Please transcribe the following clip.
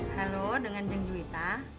halo dengan jeng juwita